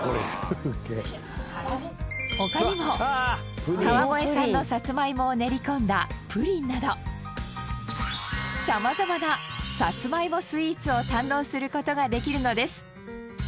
他にも川越産のさつまいもを練り込んだプリンなどさまざまなさつまいもスイーツを堪能する事ができるのです。